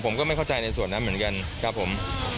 ผมก็ไม่เข้าใจในส่วนนั้นเหมือนกันครับผม